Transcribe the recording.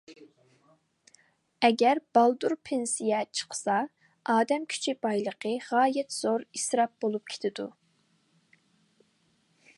ئەگەر بالدۇر پېنسىيە چىقسا، ئادەم كۈچى بايلىقى غايەت زور ئىسراپ بولۇپ كېتىدۇ.